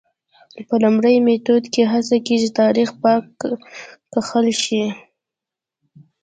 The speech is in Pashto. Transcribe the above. په لومړي میتود کې هڅه کېږي تاریخ پاک کښل شي.